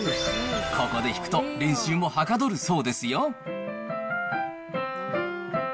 ここで弾くと、練習もはかどるそうですよ。